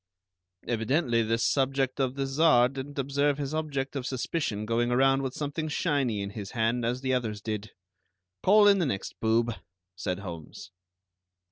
"Evidently this subject of the Czar didn't observe his object of suspicion going around with something shiny in his hand, as the others did. Call in the next boob," said Holmes.